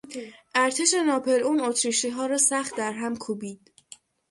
ارتش ناپلئون اتریشیها را سخت درهم کوبید.